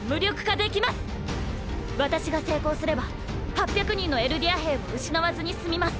私が成功すれば８００人のエルディア兵を失わずに済みます。